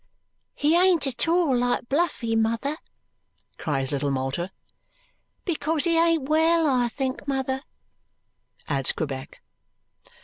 "He ain't at all like Bluffy, mother!" cries little Malta. "Because he ain't well, I think, mother," adds Quebec.